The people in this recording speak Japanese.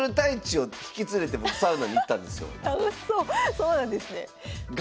そうなんですね。